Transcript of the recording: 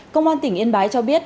công an tỉnh yên bái cho biết